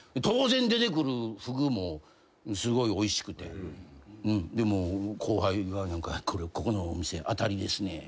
当然出てくるふぐもすごいおいしくて後輩が「ここのお店当たりですね」